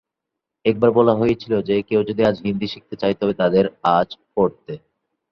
একবার বলা হয়েছিল যে কেউ যদি হিন্দি শিখতে চায় তবে তাদের ""আজ" পড়তে"।